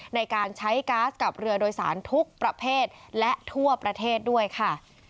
ในการใช้ก๊าซกับเรือโดยสารทุกประเภทและทั่วประเทศด้วยค่ะ